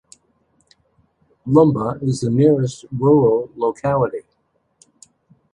Lumba is the nearest rural locality.